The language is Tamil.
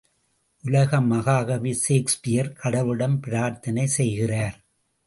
உலக மகாகவி ஷேக்ஸ்பியர் கடவுளிடம் பிரார்த்தனை செய்கிறார்!